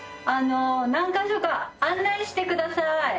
何カ所か案内してください